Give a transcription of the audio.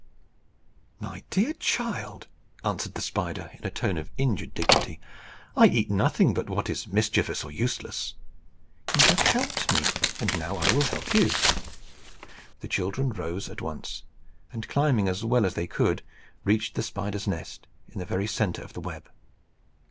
"My dear child," answered the spider, in a tone of injured dignity, "I eat nothing but what is mischievous or useless. You have helped me, and now I will help you." The children rose at once, and climbing as well as they could, reached the spider's nest in the centre of the web.